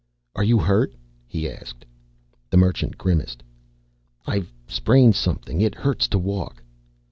"Are you hurt?" he asked. The Merchant grimaced. "I've sprained something. It hurts to walk."